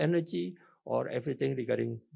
energi krena atau segala galanya